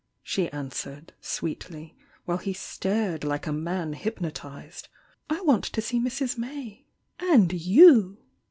she answered, sweetly, while he stared like a man hypnotised — "I want to see Mrs. May — and ymi!"